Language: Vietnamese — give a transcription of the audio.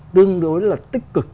tương đối là tích cực